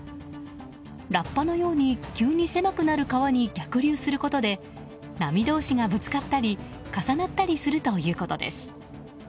ラッパのように急に狭くなる川に逆流することで波同士がぶつかったり重なったりするということです。